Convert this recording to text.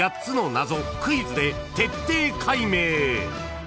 ［クイズで徹底解明］